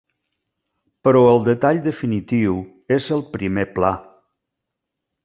Però el detall definitiu és el primer pla.